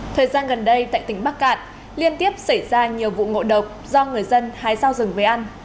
thời gian gần đây tại tỉnh bắc cạn liên tiếp xảy ra nhiều vụ ngộ độc do người dân hái giao rừng về ăn